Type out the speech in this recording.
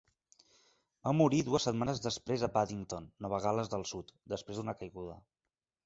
Va morir dues setmanes després a Paddington, Nova Gal·les del Sud, després d'una caiguda.